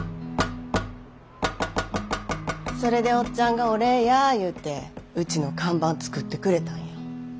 それでおっちゃんがお礼や言うてうちの看板作ってくれたんや。